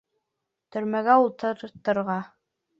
Төрмәгә ултыртырға!